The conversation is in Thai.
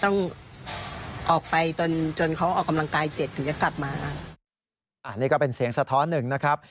นี่ก็เป็นเสียงสะท้อนหนึ่งนะครับ